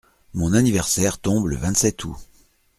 Mon anniversaire tombe le vingt-sept août.